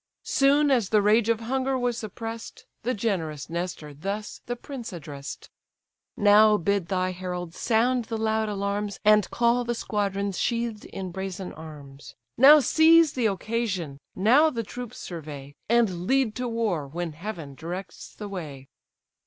Soon as the rage of hunger was suppress'd, The generous Nestor thus the prince address'd. "Now bid thy heralds sound the loud alarms, And call the squadrons sheathed in brazen arms; Now seize the occasion, now the troops survey, And lead to war when heaven directs the way."